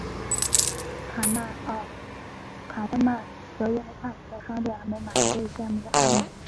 卡特曼则因为太晚到商店而没买所以羡慕着阿尼。